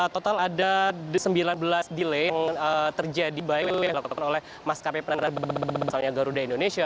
total ada sembilan belas delay yang terjadi oleh maskapai penerbangan garuda indonesia